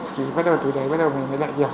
thì bắt đầu từ đấy bắt đầu mình mới lại đi học lại